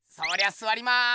すわりまーす。